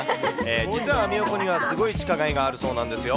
実はアメ横には、すごい地下街があるそうなんですよ。